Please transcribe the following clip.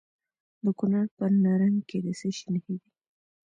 د کونړ په نرنګ کې د څه شي نښې دي؟